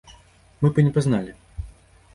Мы б і не пазналі!